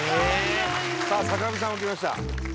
さあ坂上さん来ました。